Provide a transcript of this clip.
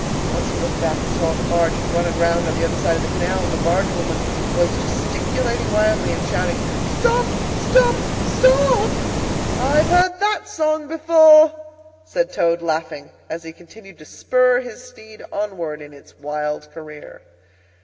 Once he looked back, and saw that the barge had run aground on the other side of the canal, and the barge woman was gesticulating wildly and shouting, "Stop, stop, stop!" "I've heard that song before," said Toad, laughing, as he continued to spur his steed onward in its wild career.